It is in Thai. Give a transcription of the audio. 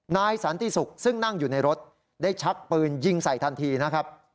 นายสันติศุกร์ซึ่งนั่งอยู่ในรถได้ชักปืนยิงใส่ทันทีนะครับ